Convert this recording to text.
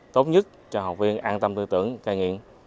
tốt nhất cho học viên an tâm tư tưởng cai nghiện